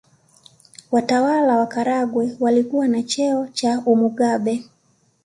Watawala wa Karagwe walikuwa na cheo cha Umugabe